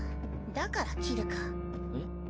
だからキルかえっ？